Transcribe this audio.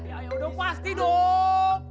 ya udah pasti dong